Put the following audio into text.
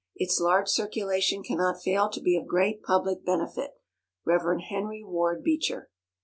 Its large circulation cannot fail to be of great public benefit. Rev. HENRY WARD BEECHER.